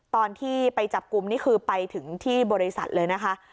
ตอนที่ไปจับกลุ่มนี่คือไปถึงที่บริษัทเลยนะคะ